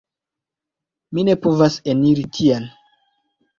Mi ne povas eniri tien